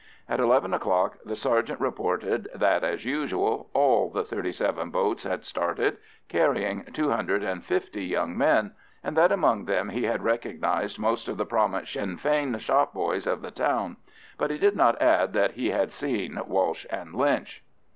At eleven o'clock the sergeant reported that, as usual, all the thirty seven boats had started, carrying two hundred and fifty young men, and that among them he had recognised most of the prominent Sinn Fein shop boys of the town. But he did not add that he had seen Walsh and Lynch.